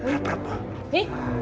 rap rap rap